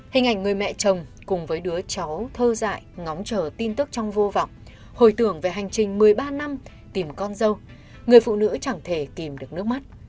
hình ảnh người mẹ chồng cùng với đứa cháu thơ dại ngóng chờ tin tức trong vô vọng hồi tưởng về hành trình một mươi ba năm tìm con dâu người phụ nữ chẳng thể tìm được nước mắt